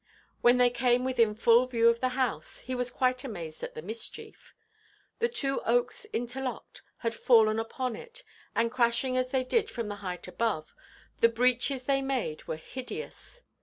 When they came within full view of the house, he was quite amazed at the mischief. The two oaks interlocked had fallen upon it, and, crashing as they did from the height above, the breaches they made were hideous.